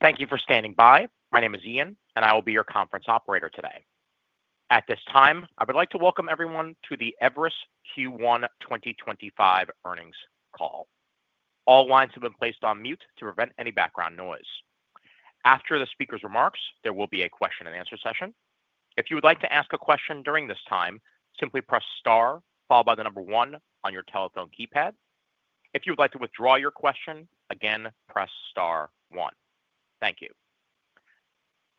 Thank you for standing by. My name is Ian, and I will be your conference operator today. At this time, I would like to welcome everyone to the Everus Q1 2025 earnings call. All lines have been placed on mute to prevent any background noise. After the speaker's remarks, there will be a question-and-answer session. If you would like to ask a question during this time, simply press star, followed by the number one on your telephone keypad. If you would like to withdraw your question, again, press star one. Thank you.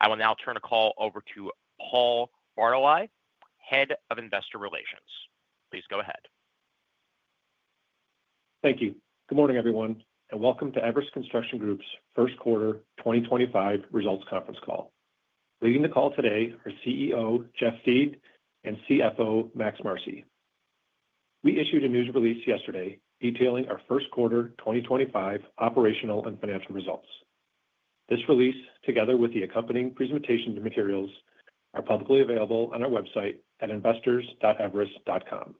I will now turn the call over to Paul Bartoli, Head of Investor Relations. Please go ahead. Thank you. Good morning, everyone, and welcome to Everus Construction Group's first quarter 2025 results conference call. Leading the call today are CEO Jeff Thiede and CFO Max Marcy. We issued a news release yesterday detailing our first quarter 2025 operational and financial results. This release, together with the accompanying presentation materials, are publicly available on our website at investors.everus.com.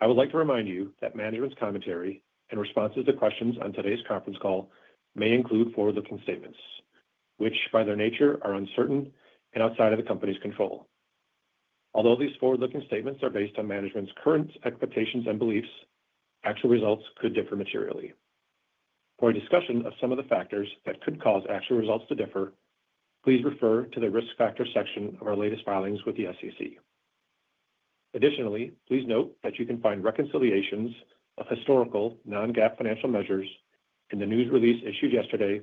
I would like to remind you that management's commentary and responses to questions on today's conference call may include forward-looking statements, which, by their nature, are uncertain and outside of the company's control. Although these forward-looking statements are based on management's current expectations and beliefs, actual results could differ materially. For a discussion of some of the factors that could cause actual results to differ, please refer to the risk factor section of our latest filings with the SEC. Additionally, please note that you can find reconciliations of historical non-GAAP financial measures in the news release issued yesterday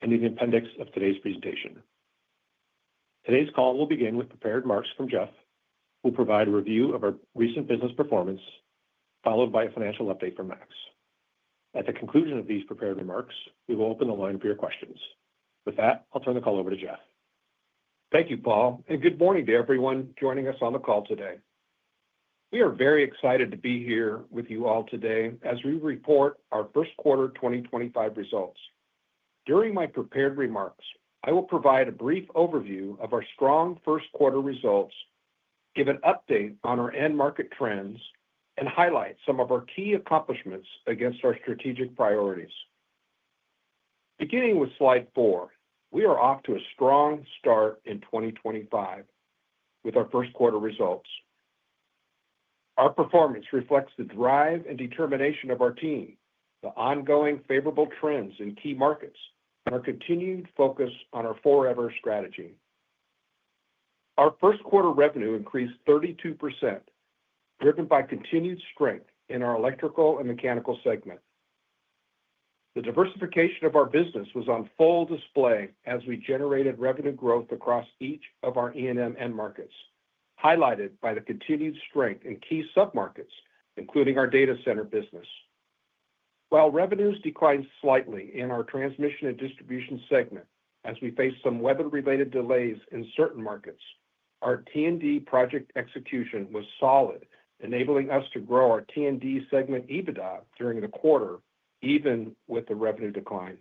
and in the appendix of today's presentation. Today's call will begin with prepared remarks from Jeff, who will provide a review of our recent business performance, followed by a financial update from Max. At the conclusion of these prepared remarks, we will open the line for your questions. With that, I'll turn the call over to Jeff. Thank you, Paul, and good morning to everyone joining us on the call today. We are very excited to be here with you all today as we report our first quarter 2025 results. During my prepared remarks, I will provide a brief overview of our strong first quarter results, give an update on our end market trends, and highlight some of our key accomplishments against our strategic priorities. Beginning with slide four, we are off to a strong start in 2025 with our first quarter results. Our performance reflects the drive and determination of our team, the ongoing favorable trends in key markets, and our continued focus on our forever strategy. Our first quarter revenue increased 32%, driven by continued strength in our electrical and mechanical segment. The diversification of our business was on full display as we generated revenue growth across each of our E&M end markets, highlighted by the continued strength in key sub-markets, including our data center business. While revenues declined slightly in our transmission and distribution segment as we faced some weather-related delays in certain markets, our T&D project execution was solid, enabling us to grow our T&D segment EBITDA during the quarter, even with the revenue decline.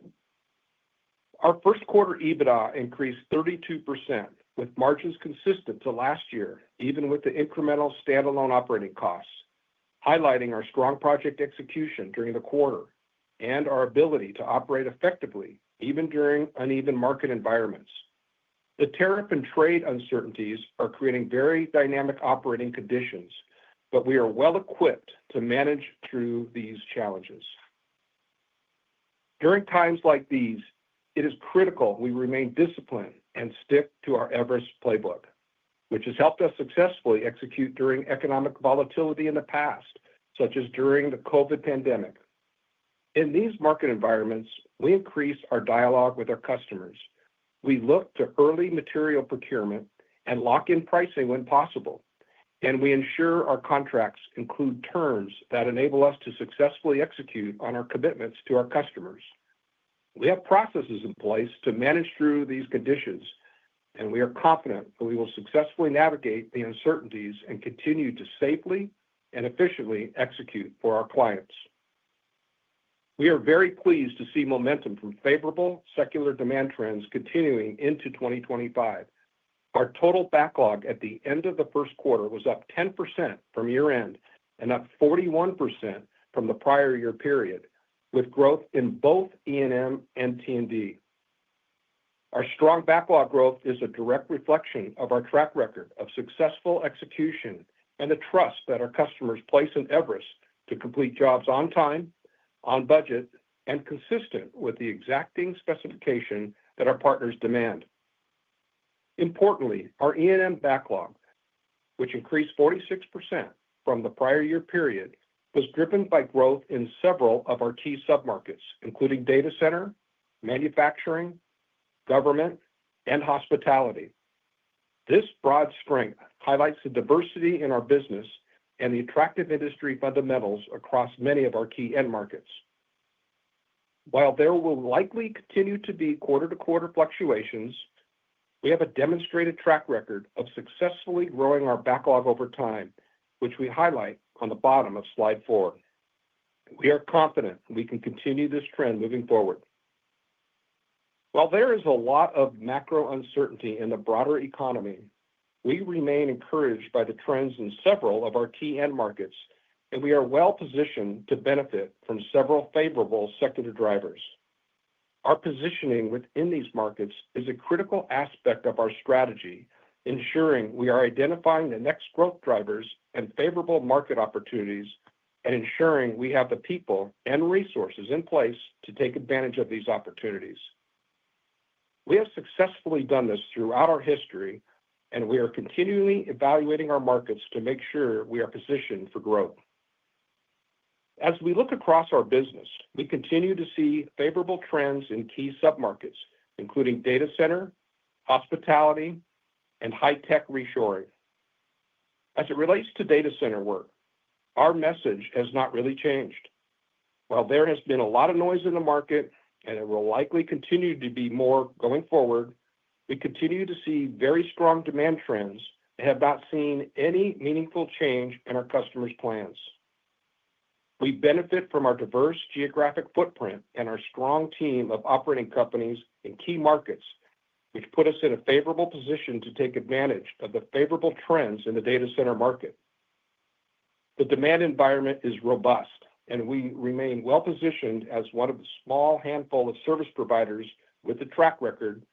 Our first quarter EBITDA increased 32%, with margins consistent to last year, even with the incremental standalone operating costs, highlighting our strong project execution during the quarter and our ability to operate effectively, even during uneven market environments. The tariff and trade uncertainties are creating very dynamic operating conditions, but we are well equipped to manage through these challenges. During times like these, it is critical we remain disciplined and stick to our Everus playbook, which has helped us successfully execute during economic volatility in the past, such as during the COVID pandemic. In these market environments, we increase our dialogue with our customers. We look to early material procurement and lock-in pricing when possible, and we ensure our contracts include terms that enable us to successfully execute on our commitments to our customers. We have processes in place to manage through these conditions, and we are confident that we will successfully navigate the uncertainties and continue to safely and efficiently execute for our clients. We are very pleased to see momentum from favorable secular demand trends continuing into 2025. Our total backlog at the end of the first quarter was up 10% from year-end and up 41% from the prior year period, with growth in both E&M and T&D. Our strong backlog growth is a direct reflection of our track record of successful execution and the trust that our customers place in Everus to complete jobs on time, on budget, and consistent with the exacting specification that our partners demand. Importantly, our E&M backlog, which increased 46% from the prior year period, was driven by growth in several of our key sub-markets, including data center, manufacturing, government, and hospitality. This broad strength highlights the diversity in our business and the attractive industry fundamentals across many of our key end markets. While there will likely continue to be quarter-to-quarter fluctuations, we have a demonstrated track record of successfully growing our backlog over time, which we highlight on the bottom of slide four. We are confident we can continue this trend moving forward. While there is a lot of macro uncertainty in the broader economy, we remain encouraged by the trends in several of our key end markets, and we are well positioned to benefit from several favorable sector drivers. Our positioning within these markets is a critical aspect of our strategy, ensuring we are identifying the next growth drivers and favorable market opportunities, and ensuring we have the people and resources in place to take advantage of these opportunities. We have successfully done this throughout our history, and we are continually evaluating our markets to make sure we are positioned for growth. As we look across our business, we continue to see favorable trends in key sub-markets, including data center, hospitality, and high-tech reshoring. As it relates to data center work, our message has not really changed. While there has been a lot of noise in the market, and it will likely continue to be more going forward, we continue to see very strong demand trends and have not seen any meaningful change in our customers' plans. We benefit from our diverse geographic footprint and our strong team of operating companies in key markets, which put us in a favorable position to take advantage of the favorable trends in the data center market. The demand environment is robust, and we remain well positioned as one of the small handful of service providers with the track record,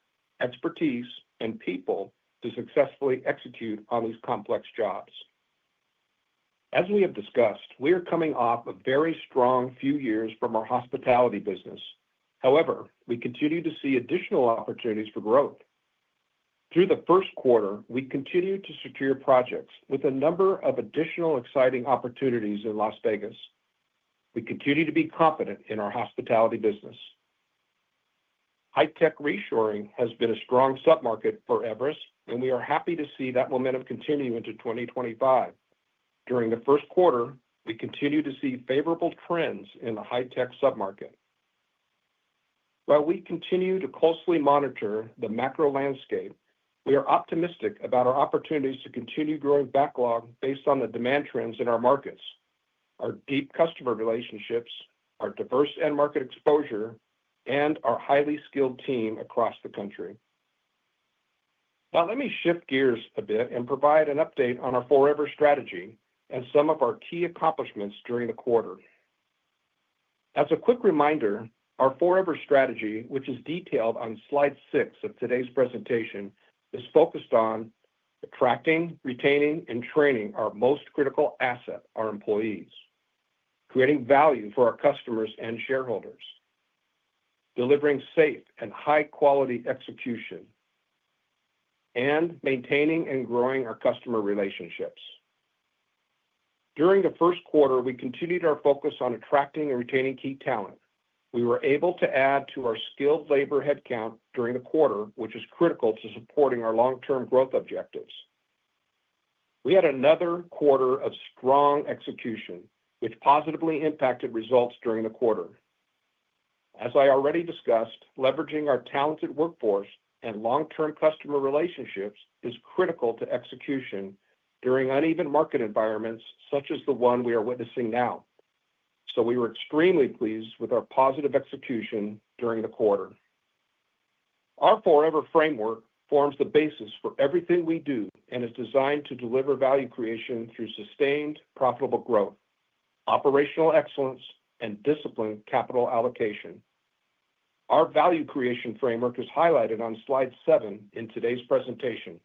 expertise, and people to successfully execute on these complex jobs. As we have discussed, we are coming off a very strong few years from our hospitality business. However, we continue to see additional opportunities for growth. Through the first quarter, we continue to secure projects with a number of additional exciting opportunities in Las Vegas. We continue to be confident in our hospitality business. High-tech reshoring has been a strong sub-market for Everus, and we are happy to see that momentum continue into 2025. During the first quarter, we continue to see favorable trends in the high-tech sub-market. While we continue to closely monitor the macro landscape, we are optimistic about our opportunities to continue growing backlog based on the demand trends in our markets, our deep customer relationships, our diverse end market exposure, and our highly skilled team across the country. Now, let me shift gears a bit and provide an update on our forever strategy and some of our key accomplishments during the quarter. As a quick reminder, our forever strategy, which is detailed on slide six of today's presentation, is focused on attracting, retaining, and training our most critical asset, our employees, creating value for our customers and shareholders, delivering safe and high-quality execution, and maintaining and growing our customer relationships. During the first quarter, we continued our focus on attracting and retaining key talent. We were able to add to our skilled labor headcount during the quarter, which is critical to supporting our long-term growth objectives. We had another quarter of strong execution, which positively impacted results during the quarter. As I already discussed, leveraging our talented workforce and long-term customer relationships is critical to execution during uneven market environments such as the one we are witnessing now. We were extremely pleased with our positive execution during the quarter. Our forever framework forms the basis for everything we do and is designed to deliver value creation through sustained profitable growth, operational excellence, and disciplined capital allocation. Our value creation framework is highlighted on slide seven in today's presentation.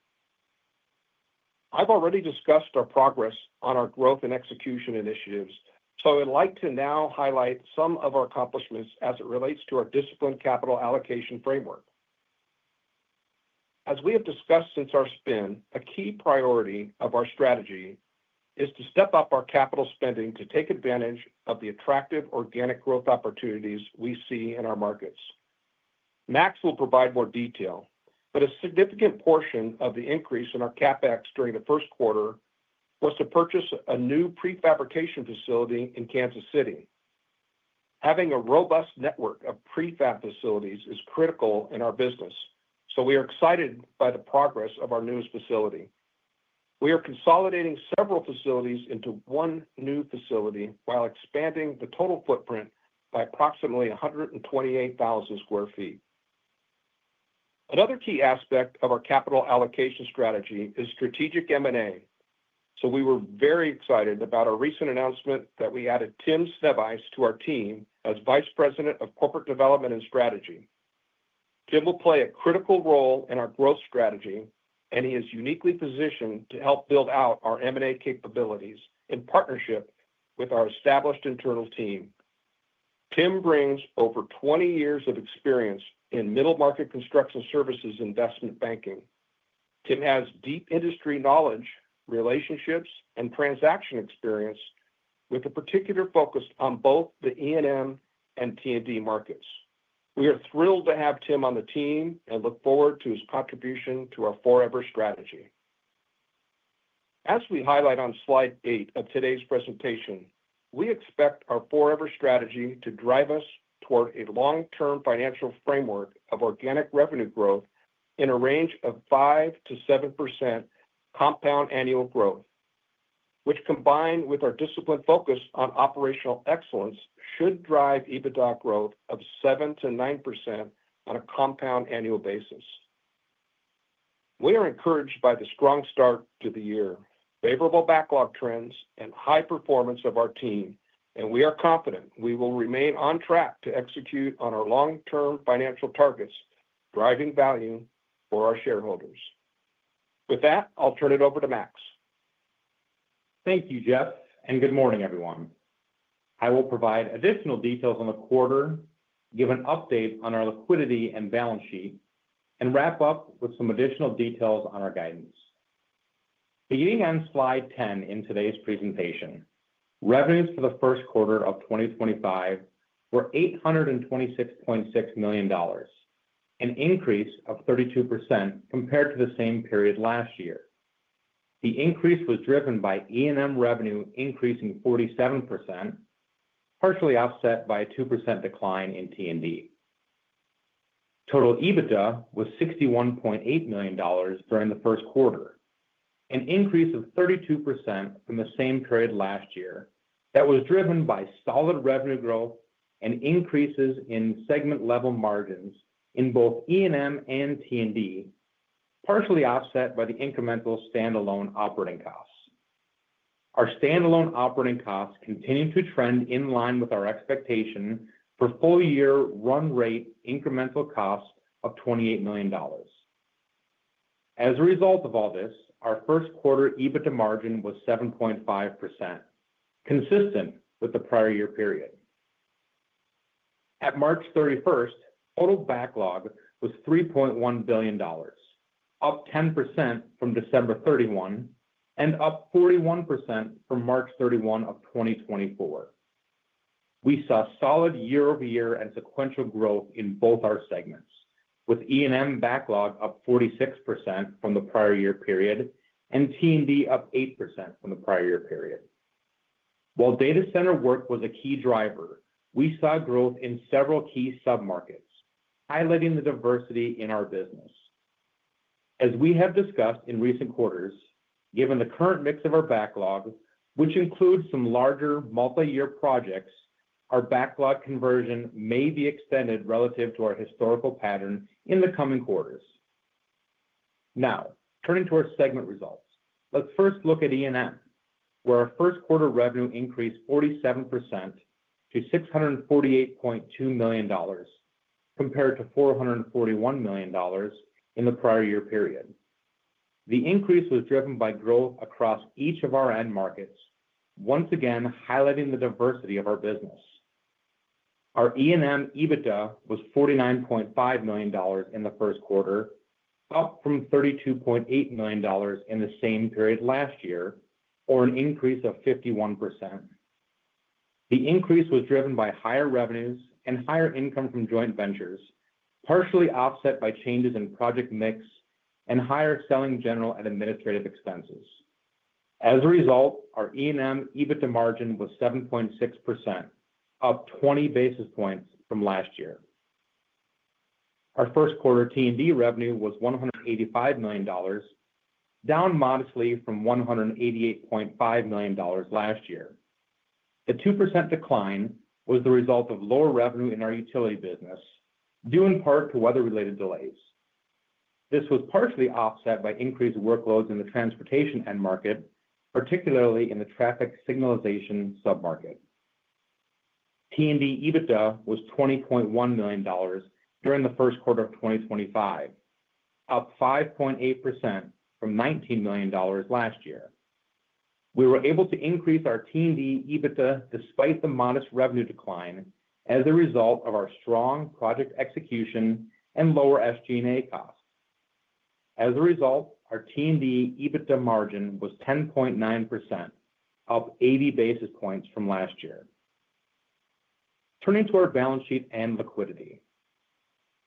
I have already discussed our progress on our growth and execution initiatives, so I would like to now highlight some of our accomplishments as it relates to our disciplined capital allocation framework. As we have discussed since our spin, a key priority of our strategy is to step up our capital spending to take advantage of the attractive organic growth opportunities we see in our markets. Max will provide more detail, but a significant portion of the increase in our CapEx during the first quarter was to purchase a new prefabrication facility in Kansas City. Having a robust network of prefab facilities is critical in our business, so we are excited by the progress of our newest facility. We are consolidating several facilities into one new facility while expanding the total footprint by approximately 128,000 sq ft. Another key aspect of our capital allocation strategy is strategic M&A. We were very excited about our recent announcement that we added Tim Stevies to our team as Vice President of Corporate Development and Strategy. Tim will play a critical role in our growth strategy, and he is uniquely positioned to help build out our M&A capabilities in partnership with our established internal team. Tim brings over 20 years of experience in middle market construction services investment banking. Tim has deep industry knowledge, relationships, and transaction experience, with a particular focus on both the E&M and T&D markets. We are thrilled to have Tim on the team and look forward to his contribution to our forever strategy. As we highlight on slide eight of today's presentation, we expect our forever strategy to drive us toward a long-term financial framework of organic revenue growth in a range of 5%-7% compound annual growth, which, combined with our disciplined focus on operational excellence, should drive EBITDA growth of 7%-9% on a compound annual basis. We are encouraged by the strong start to the year, favorable backlog trends, and high performance of our team, and we are confident we will remain on track to execute on our long-term financial targets, driving value for our shareholders. With that, I'll turn it over to Max. Thank you, Jeff, and good morning, everyone. I will provide additional details on the quarter, give an update on our liquidity and balance sheet, and wrap up with some additional details on our guidance. Beginning on slide 10 in today's presentation, revenues for the first quarter of 2025 were $826.6 million, an increase of 32% compared to the same period last year. The increase was driven by E&M revenue increasing 47%, partially offset by a 2% decline in T&D. Total EBITDA was $61.8 million during the first quarter, an increase of 32% from the same period last year that was driven by solid revenue growth and increases in segment-level margins in both E&M and T&D, partially offset by the incremental standalone operating costs. Our standalone operating costs continue to trend in line with our expectation for full-year run rate incremental costs of $28 million. As a result of all this, our first quarter EBITDA margin was 7.5%, consistent with the prior year period. At March 31, total backlog was $3.1 billion, up 10% from December 31 and up 41% from March 31 of 2023. We saw solid year-over-year and sequential growth in both our segments, with E&M backlog up 46% from the prior year period and T&D up 8% from the prior year period. While data center work was a key driver, we saw growth in several key sub-markets, highlighting the diversity in our business. As we have discussed in recent quarters, given the current mix of our backlog, which includes some larger multi-year projects, our backlog conversion may be extended relative to our historical pattern in the coming quarters. Now, turning to our segment results, let's first look at E&M, where our first quarter revenue increased 47% to $648.2 million compared to $441 million in the prior year period. The increase was driven by growth across each of our end markets, once again highlighting the diversity of our business. Our E&M EBITDA was $49.5 million in the first quarter, up from $32.8 million in the same period last year, or an increase of 51%. The increase was driven by higher revenues and higher income from joint ventures, partially offset by changes in project mix and higher selling, general, and administrative expenses. As a result, our E&M EBITDA margin was 7.6%, up 20 basis points from last year. Our first quarter T&D revenue was $185 million, down modestly from $188.5 million last year. The 2% decline was the result of lower revenue in our utility business, due in part to weather-related delays. This was partially offset by increased workloads in the transportation end market, particularly in the traffic signalization sub-market. T&D EBITDA was $20.1 million during the first quarter of 2025, up 5.8% from $19 million last year. We were able to increase our T&D EBITDA despite the modest revenue decline as a result of our strong project execution and lower SG&A costs. As a result, our T&D EBITDA margin was 10.9%, up 80 basis points from last year. Turning to our balance sheet and liquidity.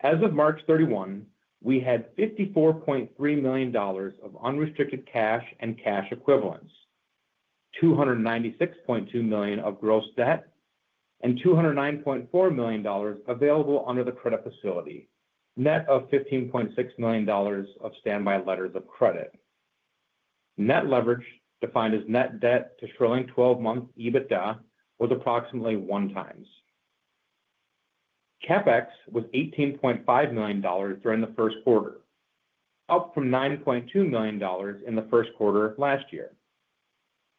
As of March 31, we had $54.3 million of unrestricted cash and cash equivalents, $296.2 million of gross debt, and $209.4 million available under the credit facility, net of $15.6 million of standby letters of credit. Net leverage, defined as net debt to trailing 12-month EBITDA, was approximately one times. CapEx was $18.5 million during the first quarter, up from $9.2 million in the first quarter of last year.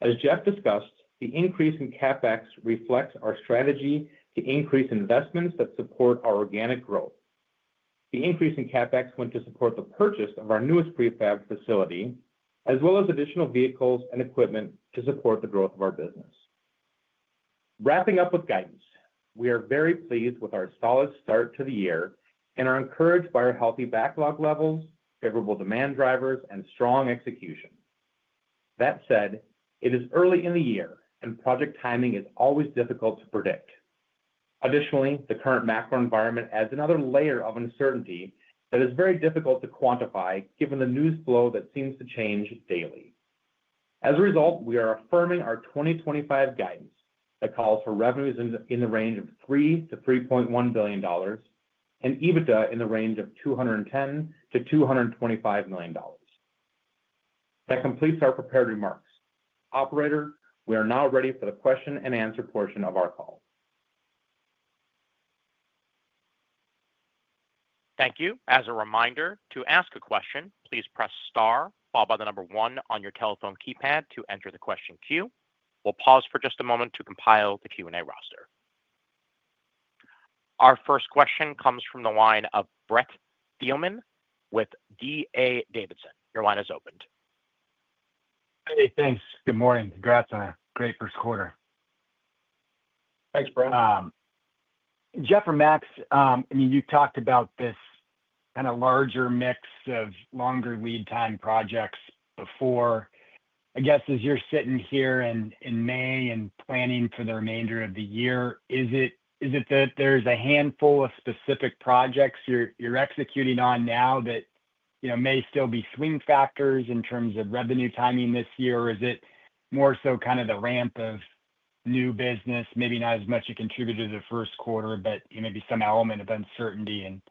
As Jeff discussed, the increase in CapEx reflects our strategy to increase investments that support our organic growth. The increase in CapEx went to support the purchase of our newest prefab facility, as well as additional vehicles and equipment to support the growth of our business. Wrapping up with guidance, we are very pleased with our solid start to the year and are encouraged by our healthy backlog levels, favorable demand drivers, and strong execution. That said, it is early in the year, and project timing is always difficult to predict. Additionally, the current macro environment adds another layer of uncertainty that is very difficult to quantify given the news flow that seems to change daily. As a result, we are affirming our 2025 guidance that calls for revenues in the range of $3 billion-$3.1 billion and EBITDA in the range of $210 million-$225 million. That completes our prepared remarks. Operator, we are now ready for the question and answer portion of our call. Thank you. As a reminder, to ask a question, please press star, followed by the number one on your telephone keypad to enter the question queue. We'll pause for just a moment to compile the Q&A roster. Our first question comes from the line of Brent Thielman with D.A. Davidson. Your line is opened. Hey, thanks. Good morning. Congrats on a great first quarter. Thanks, Brent. Jeff or Max, I mean, you talked about this kind of larger mix of longer lead time projects before. I guess as you're sitting here in May and planning for the remainder of the year, is it that there's a handful of specific projects you're executing on now that may still be swing factors in terms of revenue timing this year? Or is it more so kind of the ramp of new business, maybe not as much a contributor to the first quarter, but maybe some element of uncertainty in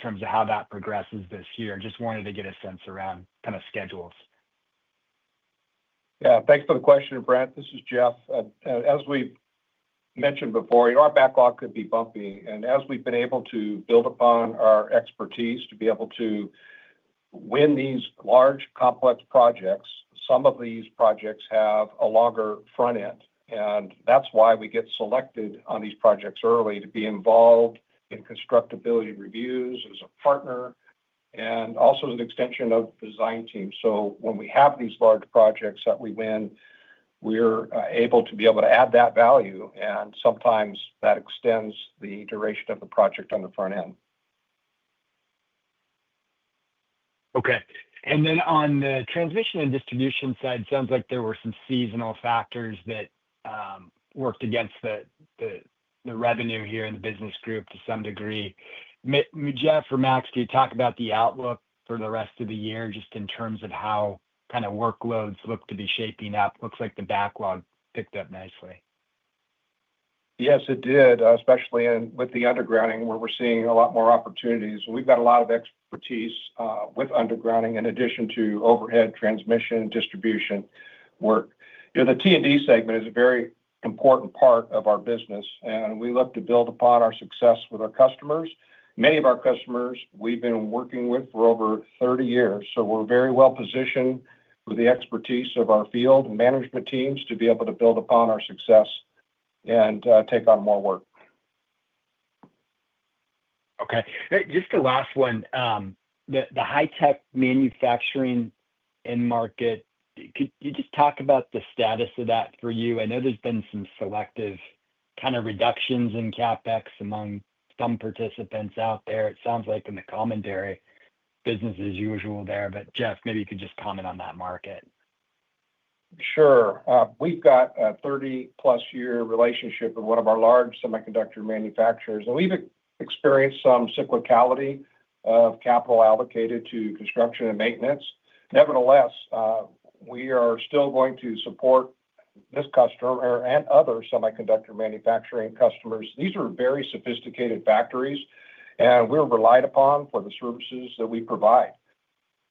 terms of how that progresses this year? Just wanted to get a sense around kind of schedules. Yeah. Thanks for the question, Brent. This is Jeff. As we mentioned before, our backlog could be bumpy. As we have been able to build upon our expertise to be able to win these large, complex projects, some of these projects have a longer front end. That is why we get selected on these projects early to be involved in constructability reviews as a partner and also as an extension of the design team. When we have these large projects that we win, we are able to add that value. Sometimes that extends the duration of the project on the front end. Okay. On the transmission and distribution side, it sounds like there were some seasonal factors that worked against the revenue here in the business group to some degree. Jeff or Max, can you talk about the outlook for the rest of the year just in terms of how kind of workloads look to be shaping up? Looks like the backlog picked up nicely. Yes, it did, especially with the undergrounding where we're seeing a lot more opportunities. We've got a lot of expertise with undergrounding in addition to overhead transmission distribution work. The T&D segment is a very important part of our business, and we look to build upon our success with our customers. Many of our customers we've been working with for over 30 years. We are very well positioned with the expertise of our field and management teams to be able to build upon our success and take on more work. Okay. Just the last one, the high-tech manufacturing end market, could you just talk about the status of that for you? I know there's been some selective kind of reductions in CapEx among some participants out there. It sounds like in the commentary, business as usual there. Jeff, maybe you could just comment on that market. Sure. We've got a 30-plus-year relationship with one of our large semiconductor manufacturers. We've experienced some cyclicality of capital allocated to construction and maintenance. Nevertheless, we are still going to support this customer and other semiconductor manufacturing customers. These are very sophisticated factories, and we're relied upon for the services that we provide.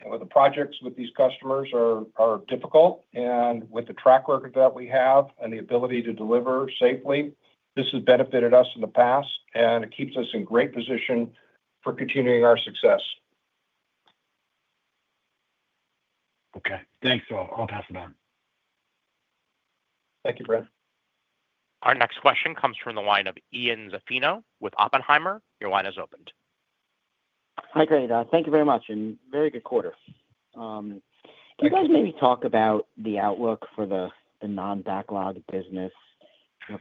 The projects with these customers are difficult. With the track record that we have and the ability to deliver safely, this has benefited us in the past, and it keeps us in great position for continuing our success. Okay. Thanks. I'll pass it on. Thank you, Brent. Our next question comes from the line of Ian Zaffino with Oppenheimer. Your line is opened. Hi, Jeff. Thank you very much. And very good quarter. Can you guys maybe talk about the outlook for the non-backlog business?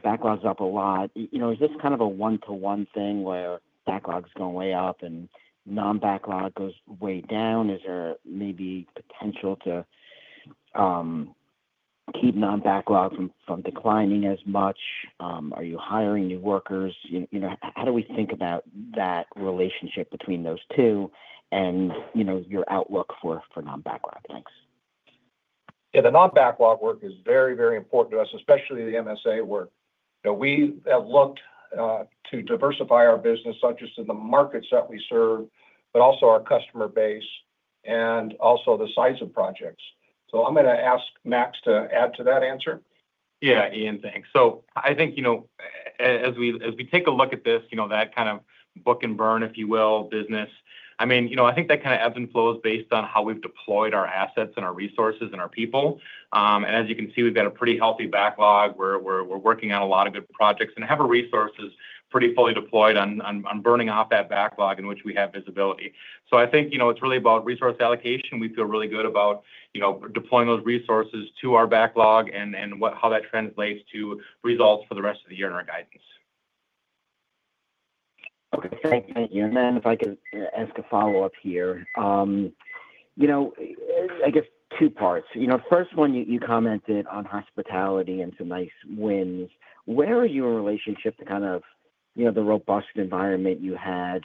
Backlog's up a lot. Is this kind of a one-to-one thing where backlog's going way up and non-backlog goes way down? Is there maybe potential to keep non-backlog from declining as much? Are you hiring new workers? How do we think about that relationship between those two and your outlook for non-backlog? Thanks. Yeah. The non-backlog work is very, very important to us, especially the MSA work. We have looked to diversify our business, not just in the markets that we serve, but also our customer base and also the size of projects. I am going to ask Max to add to that answer. Yeah, Ian. Thanks. I think as we take a look at this, that kind of book and burn, if you will, business, I mean, I think that kind of ebbs and flows based on how we've deployed our assets and our resources and our people. As you can see, we've got a pretty healthy backlog. We're working on a lot of good projects and have our resources pretty fully deployed on burning off that backlog in which we have visibility. I think it's really about resource allocation. We feel really good about deploying those resources to our backlog and how that translates to results for the rest of the year in our guidance. Okay. Thank you. If I could ask a follow-up here, I guess two parts. First one, you commented on hospitality and some nice wins. Where are you in relationship to kind of the robust environment you had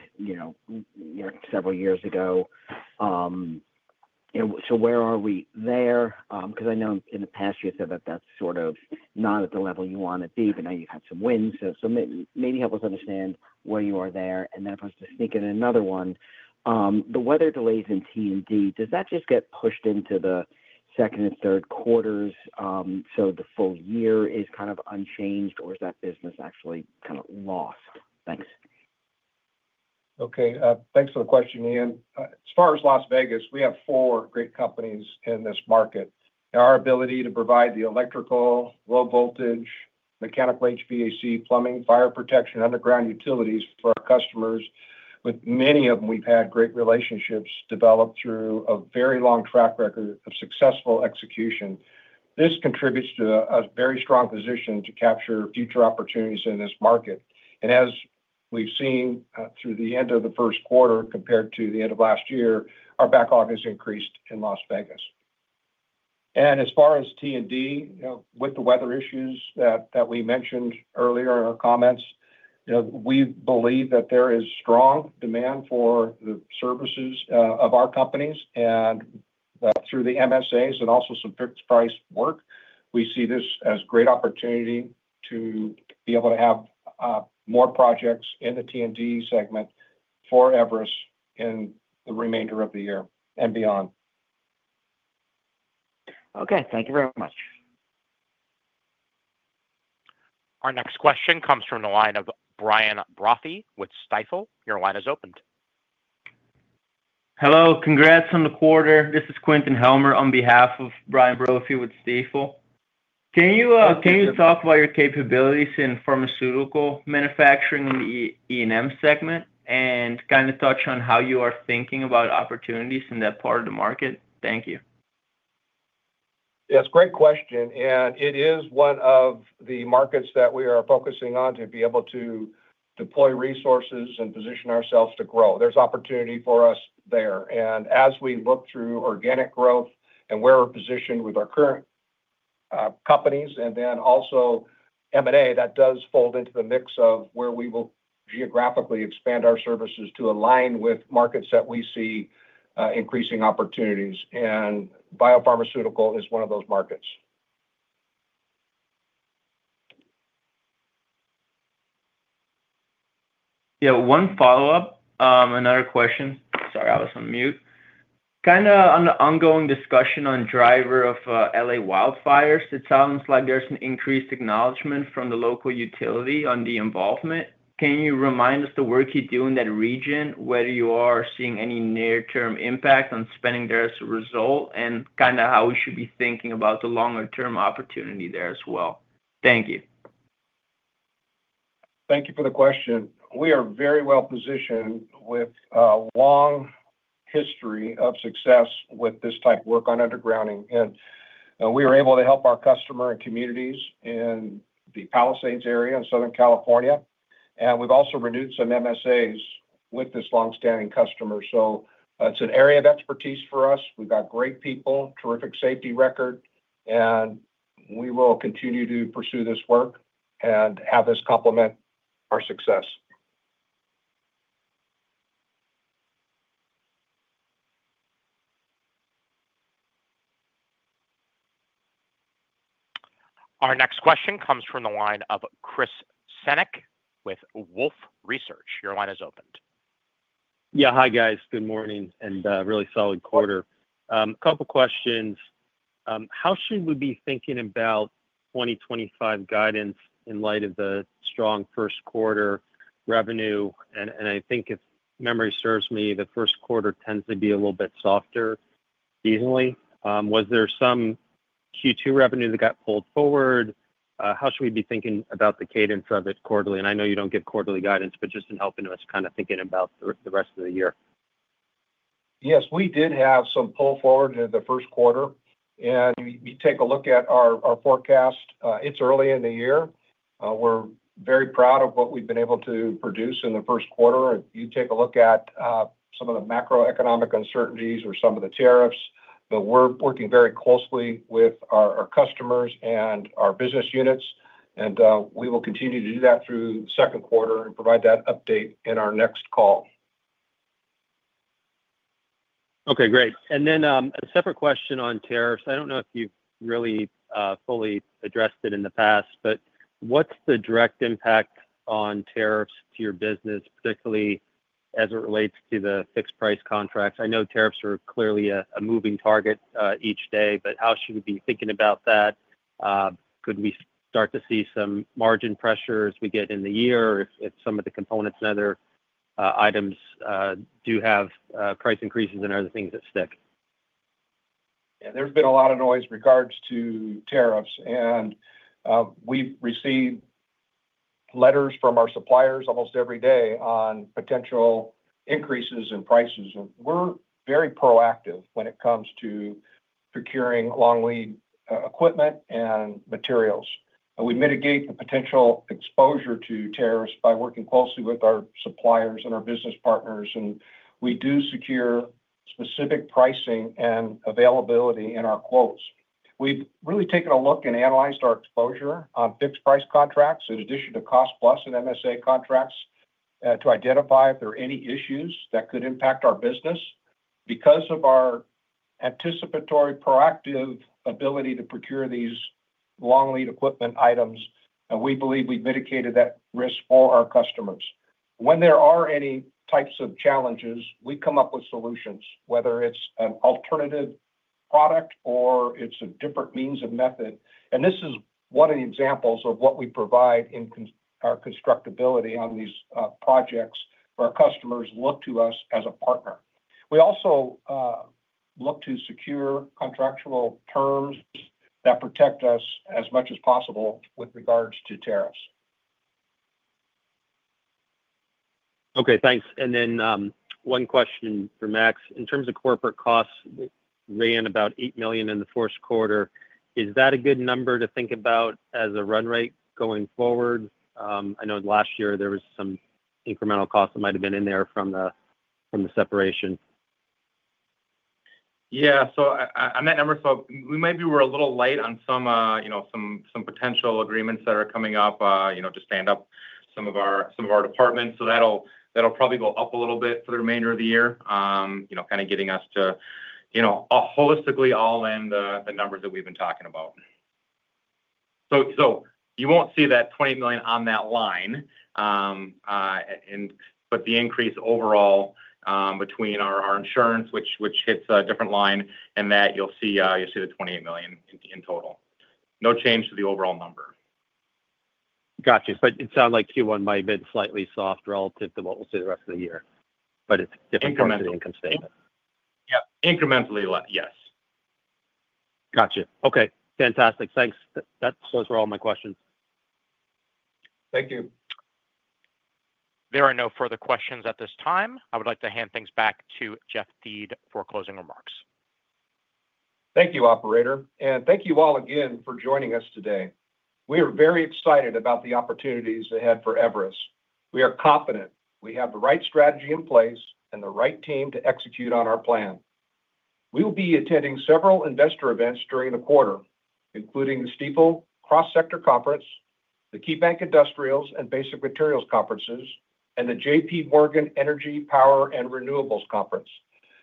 several years ago? So where are we there? Because I know in the past, you said that that's sort of not at the level you want to be, but now you've had some wins. So maybe help us understand where you are there. And then if I was to sneak in another one, the weather delays in T&D, does that just get pushed into the second and third quarters? So the full year is kind of unchanged, or is that business actually kind of lost? Thanks. Okay. Thanks for the question, Ian. As far as Las Vegas, we have four great companies in this market. Our ability to provide the electrical, low-voltage, mechanical HVAC, plumbing, fire protection, underground utilities for our customers, with many of them we've had great relationships developed through a very long track record of successful execution. This contributes to a very strong position to capture future opportunities in this market. As we've seen through the end of the first quarter compared to the end of last year, our backlog has increased in Las Vegas. As far as T&D, with the weather issues that we mentioned earlier in our comments, we believe that there is strong demand for the services of our companies. Through the MSAs and also some fixed price work, we see this as great opportunity to be able to have more projects in the T&D segment for Everus in the remainder of the year and beyond. Okay. Thank you very much. Our next question comes from the line of Brian Brophy with Stifel. Your line is opened. Hello. Congrats on the quarter. This is Quinton Helmer on behalf of Brian Brophy with Stifel. Can you talk about your capabilities in pharmaceutical manufacturing in the E&M segment and kind of touch on how you are thinking about opportunities in that part of the market? Thank you. Yeah. It's a great question. It is one of the markets that we are focusing on to be able to deploy resources and position ourselves to grow. There's opportunity for us there. As we look through organic growth and where we're positioned with our current companies and then also M&A, that does fold into the mix of where we will geographically expand our services to align with markets that we see increasing opportunities. Biopharmaceutical is one of those markets. Yeah. One follow-up, another question. Sorry, I was on mute. Kind of on the ongoing discussion on driver of LA wildfires, it sounds like there's an increased acknowledgment from the local utility on the involvement. Can you remind us the work you're doing in that region, whether you are seeing any near-term impact on spending there as a result, and kind of how we should be thinking about the longer-term opportunity there as well? Thank you. Thank you for the question. We are very well positioned with a long history of success with this type of work on undergrounding. We are able to help our customer and communities in the Palisades area in Southern California. We have also renewed some MSAs with this long-standing customer. It is an area of expertise for us. We've got great people, terrific safety record, and we will continue to pursue this work and have this complement our success. Our next question comes from the line of Chris Sennick with Wolf Research. Your line is opened. Yeah. Hi, guys. Good morning. And really solid quarter. A couple of questions. How should we be thinking about 2025 guidance in light of the strong first quarter revenue? And I think, if memory serves me, the first quarter tends to be a little bit softer seasonally. Was there some Q2 revenue that got pulled forward? How should we be thinking about the cadence of it quarterly? And I know you don't give quarterly guidance, but just in helping us kind of thinking about the rest of the year. Yes. We did have some pull forward in the first quarter. If you take a look at our forecast, it's early in the year. We're very proud of what we've been able to produce in the first quarter. If you take a look at some of the macroeconomic uncertainties or some of the tariffs, we're working very closely with our customers and our business units. We will continue to do that through the second quarter and provide that update in our next call. Okay. Great. A separate question on tariffs. I do not know if you've really fully addressed it in the past, but what's the direct impact on tariffs to your business, particularly as it relates to the fixed price contracts? I know tariffs are clearly a moving target each day, but how should we be thinking about that? Could we start to see some margin pressure as we get in the year if some of the components and other items do have price increases and other things that stick? Yeah. There has been a lot of noise in regards to tariffs. We have received letters from our suppliers almost every day on potential increases in prices. We are very proactive when it comes to procuring long-lead equipment and materials. We mitigate the potential exposure to tariffs by working closely with our suppliers and our business partners. We do secure specific pricing and availability in our quotes. We have really taken a look and analyzed our exposure on fixed price contracts in addition to cost-plus and MSA contracts to identify if there are any issues that could impact our business. Because of our anticipatory proactive ability to procure these long-lead equipment items, we believe we've mitigated that risk for our customers. When there are any types of challenges, we come up with solutions, whether it's an alternative product or it's a different means and method. This is one of the examples of what we provide in our constructability on these projects for our customers to look to us as a partner. We also look to secure contractual terms that protect us as much as possible with regards to tariffs. Okay. Thanks. One question for Max. In terms of corporate costs, we ran about $8 million in the first quarter. Is that a good number to think about as a run rate going forward? I know last year there were some incremental costs that might have been in there from the separation. Yeah. On that number, we may be a little light on some potential agreements that are coming up to stand up some of our departments. That will probably go up a little bit for the remainder of the year, kind of getting us to holistically all in the numbers that we have been talking about. You will not see that $28 million on that line, but the increase overall between our insurance, which hits a different line, and that, you will see the $28 million in total. No change to the overall number. Gotcha. It sounds like Q1 might have been slightly soft relative to what we will see the rest of the year, but it is different from the income statement. Yeah. Incrementally, yes. Gotcha. Okay. Fantastic. Thanks. Those were all my questions. Thank you. There are no further questions at this time. I would like to hand things back to Jeff Thiede for closing remarks. Thank you, Operator. Thank you all again for joining us today. We are very excited about the opportunities ahead for Everus. We are confident we have the right strategy in place and the right team to execute on our plan. We will be attending several investor events during the quarter, including the Stifel Cross-Sector Conference, the Key Bank Industrials and Basic Materials Conferences, and the JP Morgan Energy, Power, and Renewables Conference.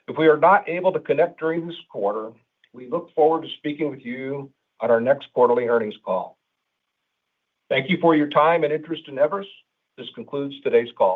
If we are not able to connect during this quarter, we look forward to speaking with you at our next quarterly earnings call. Thank you for your time and interest in Everus. This concludes today's call.